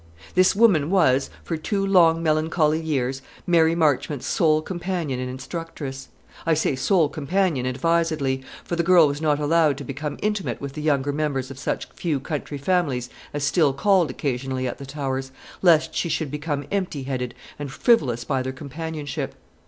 This woman was, for two long melancholy years, Mary Marchmont's sole companion and instructress. I say sole companion advisedly; for the girl was not allowed to become intimate with the younger members of such few county families as still called occasionally at the Towers, lest she should become empty headed and frivolous by their companionship.